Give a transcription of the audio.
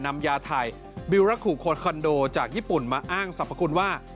นำยาไทยบิลราคูโคคอนโดจากญี่ปุ่นมาอ้างสรรพคุณว่า